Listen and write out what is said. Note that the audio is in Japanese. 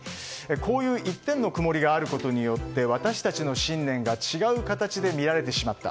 こういう一点の曇りがあることによって私たちの信念が違う形で見られてしまった。